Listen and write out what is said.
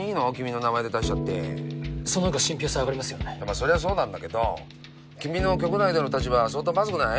そりゃそうなんだけど君の局内での立場相当まずくない？